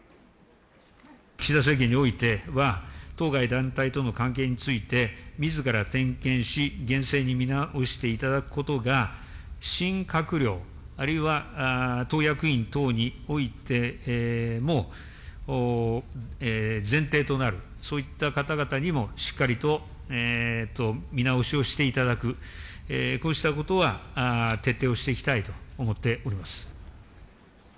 岸田政権においては、当該団体との関係について、みずから点検し、厳正に見直していただくことが新閣僚、あるいは党役員等においても、前提となる、そういった方々にもしっかりと見直しをしていただく、こうしたことは徹底をしていきたいと思っております。